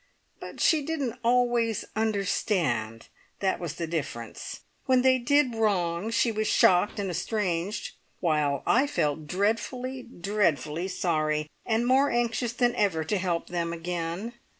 But she didn't always understand, that was the difference. When they did wrong she was shocked and estranged, while I felt dreadfully, dreadfully sorry, and more anxious than ever to help them again.